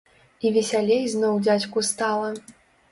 І весялей зноў дзядзьку стала.